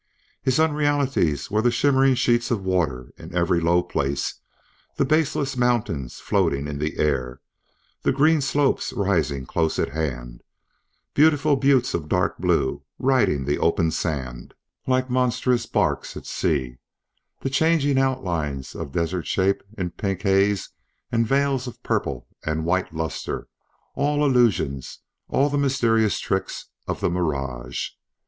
His unrealities were the shimmering sheets of water in every low place; the baseless mountains floating in the air; the green slopes rising close at hand; beautiful buttes of dark blue riding the open sand, like monstrous barks at sea; the changing outlines of desert shapes in pink haze and veils of purple and white lustre all illusions, all mysterious tricks of the mirage.